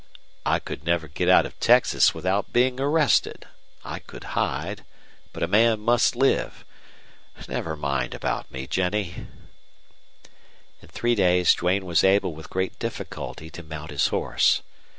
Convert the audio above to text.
"I could never get out of Texas without being arrested. I could hide, but a man must live. Never mind about me, Jennie." In three days Duane was able with great difficulty to mount his horse.